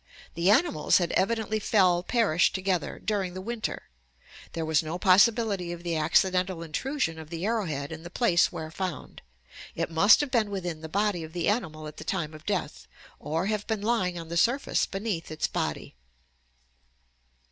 The animals had evidently fcll perished together, during the winter. There was no possibility of the accidental intrusion of the arrow head in the place where found. ... It must have been within the body of the animal at the time of death, or have been lying on the surface beneath its body."